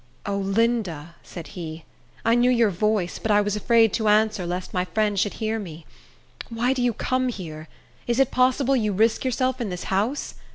"Oh, Linda," said he, "I knew your voice; but I was afraid to answer, lest my friend should hear me. Why do you come here? Is it possible you risk yourself in this house?